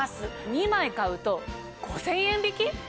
２枚買うと５０００円引き？